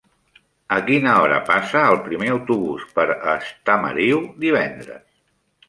A quina hora passa el primer autobús per Estamariu divendres?